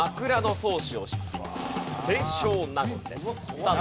スタート！